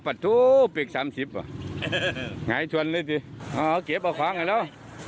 พลี่เพลิกสามสิบว่ะไงอย่างเล่นเลยสิอ๋อเก็บของใหญ่แล้ว